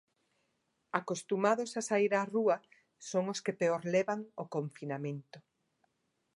Acostumados a saír á rúa, son os que peor levan o confinamento.